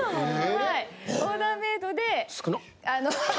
はいオーダーメイドで。